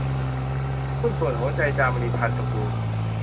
หุ้นส่วนหัวใจ - จามรี พรรณชมพู